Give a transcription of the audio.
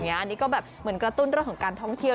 อันนี้ก็เหมือนกระตุ้นตัวของการท้องเที่ยว